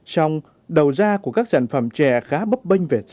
xong đầu ra của các sản phẩm chè khá bấp bênh về giá